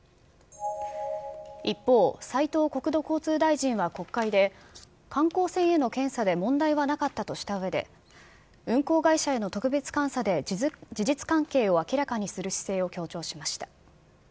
一方、斉藤国土交通大臣は国会で、観光船への検査で問題はなかったとしたうえで、運航会社への特別監査で事実関係を明らかにする姿勢を強調しました。